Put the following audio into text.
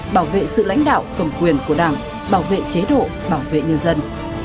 bảo vệ sự lãnh đạo cầm quyền của đảng bảo vệ chế độ bảo vệ nhân dân